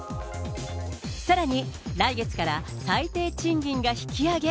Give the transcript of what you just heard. さらに、来月から最低賃金が引き上げ。